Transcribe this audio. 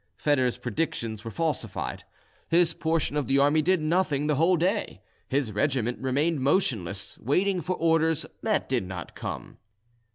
Foedor's predictions were falsified: his portion of the army did nothing the whole day; his regiment remained motionless, waiting for orders that did not come.